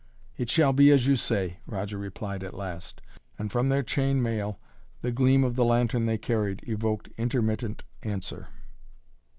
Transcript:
"It shall be as you say," Roger replied at last, and from their chain mail the gleam of the lantern they carried evoked intermittent answer.